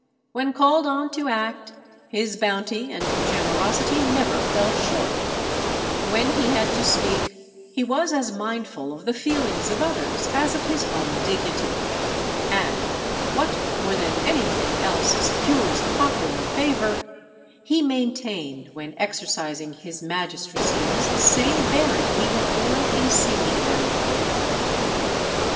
When called on to act, his bounty and generosity never fell short. When he had to speak, he was as mindful of the feelings of others as of his own dignity. And, what more than anything else secures the popular favour, he maintained when exercising his magistracies the same bearing he had worn in seeking them.